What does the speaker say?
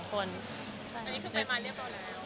อันนี้คือไปมาหรือต่อเลย